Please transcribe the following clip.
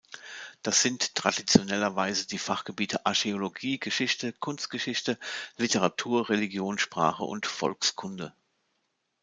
Das sind traditionellerweise die Fachgebiete Archäologie, Geschichte, Kunstgeschichte, Literatur, Religion, Sprache und Volkskunde.